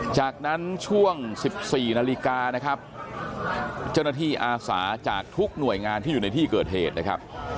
จากนั้นช่วง๑๔นาฬิกานะครับเจ้าหน้าที่อาสาจากทุกหน่วยงานที่อยู่ในที่เกิดเหตุนะครับ